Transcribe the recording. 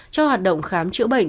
cho hoạt động khám chữa bệnh